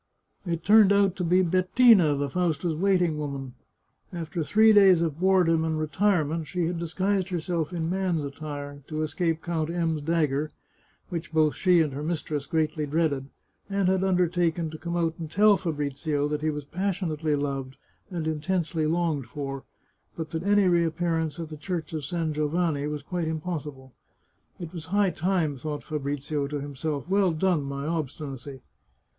It turned out to be Bettina, the Fausta's waiting woman. After three days of boredom and retirement she had disguised herself in man's attire, to escape Count M 's dagger — which both she and her mis tress greatly dreaded — and had undertaken to come and tell Fabrizio that he was passionately loved and intensely longed for, but that any reappearance at the Church of San Gio vanni was quite impossible. " It was high time," thought Fabrizio to himself. " Well done, my obstinacy